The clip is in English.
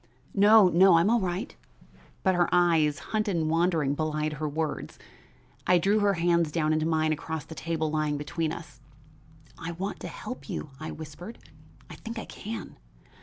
"No, no; I'm all right." But her eyes, hunted and wandering, belied her words. I drew her hands down into mine across the table lying between us. "I want to help you," I whispered; "I think I can.